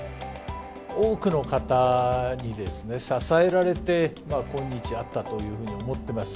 多くの方に支えられて、今日あったというふうに思っています。